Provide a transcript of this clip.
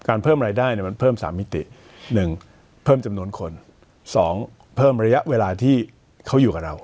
เพิ่มรายได้เนี่ยมันเพิ่ม๓มิติ๑เพิ่มจำนวนคน๒เพิ่มระยะเวลาที่เขาอยู่กับเรา